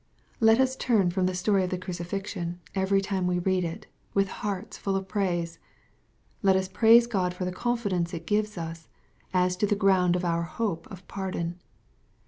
Let us turn from the story of the crucifixion, every time we read it, with hearts full of praise. Let us praise God for the confidence it gives us, as to the ground of our hope of pardon.